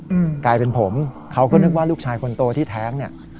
อืมกลายเป็นผมเขาก็นึกว่าลูกชายคนโตที่แท้งเนี้ย